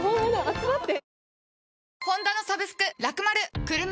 集まって。